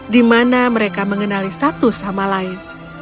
dimana mereka mengenali satu sama lain